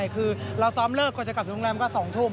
คือเราซ้อมเลิกก่อนจะกลับถึงโรงแรมก็๒ทุ่ม